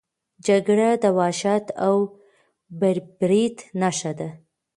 جګړه د وحشت او بربریت نښه ده.